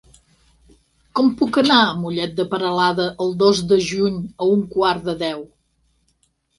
Com puc anar a Mollet de Peralada el dos de juny a un quart de deu?